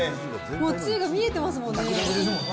もうつゆが見えてますもんね。